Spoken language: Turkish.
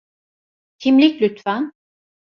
Kimlik lütfen.